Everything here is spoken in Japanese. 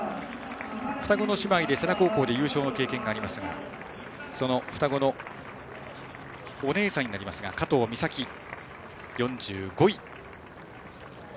双子の姉妹で世羅高校で優勝の経験がありますがその双子のお姉さんになりますが加藤美咲、４５位。